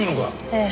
ええ。